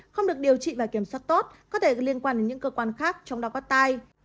không được điều trị và kiểm soát tốt có thể liên quan đến những cơ quan khác trong đó có tai